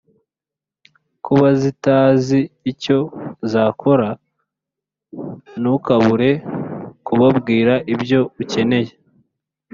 kuba zitazi icyo zakora Ntukabure kubabwira ibyo ukeneye